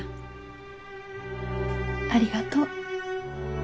ありがとう。